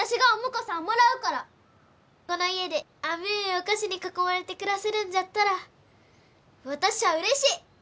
この家で甘えお菓子に囲まれて暮らせるんじゃったら私ゃあうれしい！